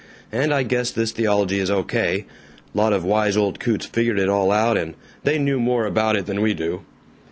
And I guess this theology is O.K.; lot of wise old coots figured it all out, and they knew more about it than we do."